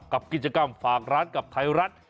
กับกิจกรรมฝากร้านกับไทยรัฐ